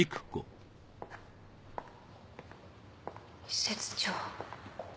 施設長。